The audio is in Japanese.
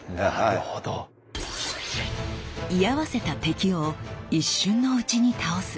居合わせた敵を一瞬のうちに倒す！